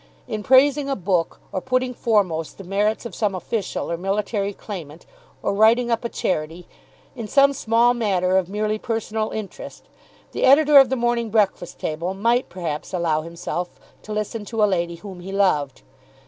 In praising a book, or putting foremost the merits of some official or military claimant, or writing up a charity, in some small matter of merely personal interest, the Editor of the "Morning Breakfast Table" might perhaps allow himself to listen to a lady whom he loved.